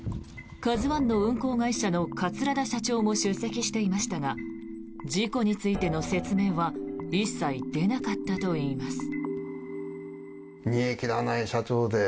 「ＫＡＺＵ１」の運航会社の桂田社長も出席していましたが事故についての説明は一切出なかったといいます。